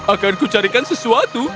akanku carikan sesuatu